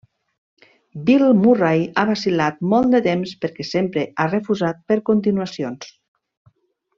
Bill Murray ha vacil·lat molt de temps perquè sempre ha refusat fer continuacions.